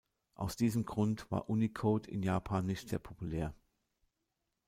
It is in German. Aus diesem Grund war Unicode in Japan nicht sehr populär.